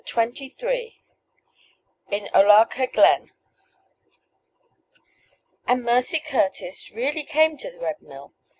CHAPTER XXIII IN OLAKAH GLEN And Mercy Curtis really came to the Red Mill.